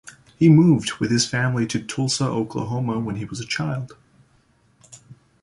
He moved with his family to Tulsa, Oklahoma, when he was a child.